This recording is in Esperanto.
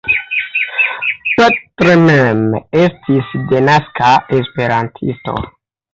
Petr mem estis denaska esperantisto.